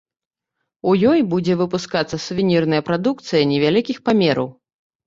У ёй будзе выпускацца сувенірная прадукцыя невялікіх памераў.